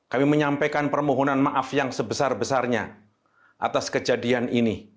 kami menyampaikan permohonan maaf yang sebesar besarnya atas kejadian ini